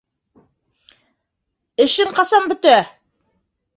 - Эшең ҡасан бөтә?